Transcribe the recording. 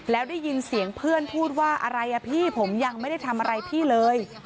แล้วได้ยินเสียงเพื่อนพูดว่าอะไรอ่ะพี่ผมยังไม่ได้ทำอะไรพี่เลย